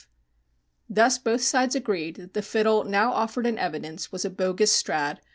Thus both sides agreed that the fiddle now offered in evidence was a bogus Strad.